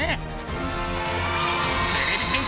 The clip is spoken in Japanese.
てれび戦士